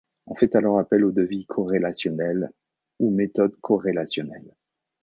On fait alors appel au devis corrélationnel ou méthode corrélationnelle.